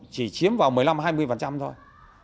chỉ chiếm vào một mươi năm hai mươi thôi